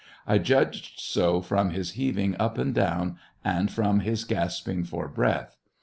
I judged so from his heaving up and down, and from his gasping for breath.